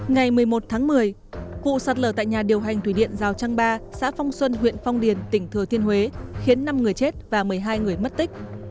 ngày một mươi một tháng một mươi vụ sạt lở tại nhà điều hành thủy điện giao trang ba xã phong xuân huyện phong điền tỉnh thừa thiên huế khiến năm người chết và một mươi hai người mất tích